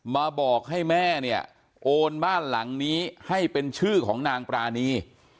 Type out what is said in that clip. มาบอกให้แม่เนี่ยโอนบ้านหลังนี้ให้เป็นชื่อของนางปรานี